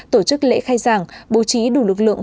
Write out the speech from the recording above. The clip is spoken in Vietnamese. tổ chức lễ khai giảng bố trí đủ lực lượng